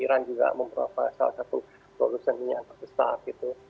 iran juga salah satu produksi minyak besar gitu